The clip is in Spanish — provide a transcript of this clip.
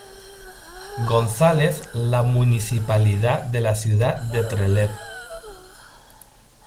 González la Municipalidad de la Ciudad de Trelew.